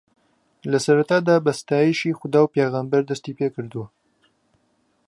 لەسەرەتادا بە ستایشی خودا و پێغەمبەر دەستی پێکردووە